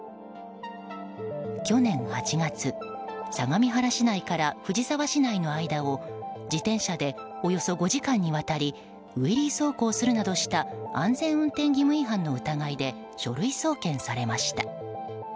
去年８月相模原市内から藤沢市内の間を自転車でおよそ５時間にわたりウィリー走行するなどした安全運転義務違反の疑いで書類送検されました。